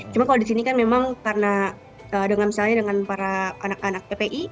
cuma kalau di sini kan memang karena dengan misalnya dengan para anak anak ppi